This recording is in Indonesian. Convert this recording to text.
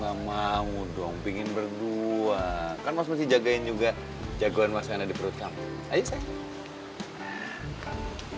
gak mau dong pingin berdua kan mas masih jagain juga jagoan masyarakat di perut kamu ayo sayang